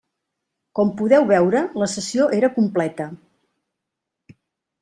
Com podeu veure, la sessió era completa.